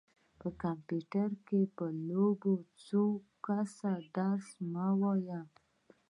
په کمپيوټر کې به لوبې څوک وکي درس مه وايه.